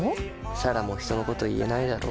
彩良も人のこと言えないだろ。